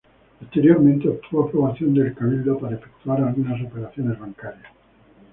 Posteriormente obtuvo aprobación del Cabildo para efectuar algunas operaciones bancarias.